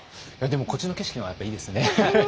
でもこっちの景色の方がやっぱいいですね。